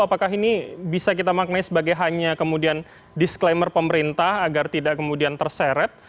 apakah ini bisa kita maknai sebagai hanya kemudian disclaimer pemerintah agar tidak kemudian terseret